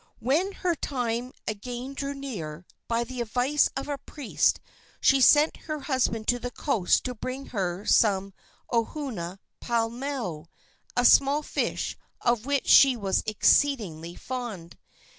When her time again drew near, by the advice of a priest she sent her husband to the coast to bring her some ohua palemo, a small fish of which she was exceedingly fond.